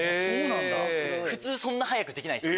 普通そんな早くできないです